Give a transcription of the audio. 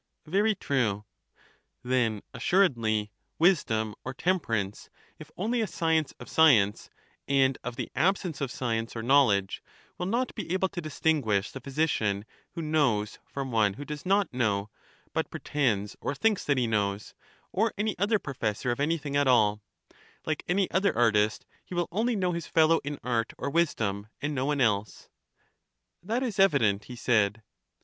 Very true. Then, assuredly, wisdom or temperance, if only a science of science, and of the absence of science or knowledge, will not be able to distinguish the physi CHARMIDES 35 cian who knows from one who does not know hut pre tends or thinks that he knows, or any other professor of anything at all; hke any other artist, he will only know his fellow in art or wisdom, and no one else. That is evident, he said.